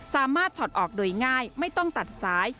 ถอดออกโดยง่ายไม่ต้องตัดสาย